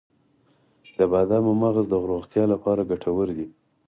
د بادامو مغز د روغتیا لپاره ګټور دی.